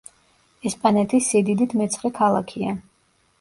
ესპანეთის სიდიდით მეცხრე ქალაქია.